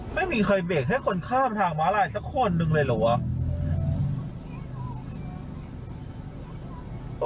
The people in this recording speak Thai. ไม่มีใครเบรกให้คนข้ามทางม้าลายสักคนหนึ่งเลยเหรอวะ